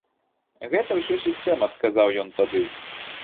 Гэта ўсё сістэма, сказаў ён тады.